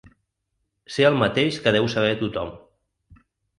Sé el mateix que deu saber tothom.